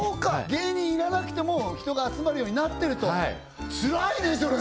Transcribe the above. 芸人いらなくても人が集まるようになってるとはいつらいねそれ！